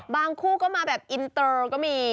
คู่ก็มาแบบอินเตอร์ก็มี